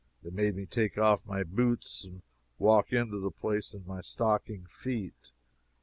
They made me take off my boots and walk into the place in my stocking feet.